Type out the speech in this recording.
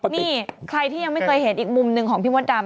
นี่ใครที่ยังไม่เคยเห็นอีกมุมหนึ่งของพี่มดดำ